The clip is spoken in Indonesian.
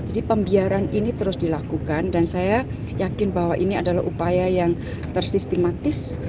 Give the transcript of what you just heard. jadi pembiaran ini terus dilakukan dan saya yakin bahwa ini adalah upaya yang tersistematis